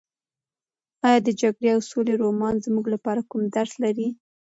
ایا د جګړې او سولې رومان زموږ لپاره کوم درس لري؟